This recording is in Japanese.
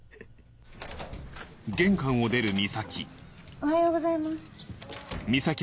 おはようございます。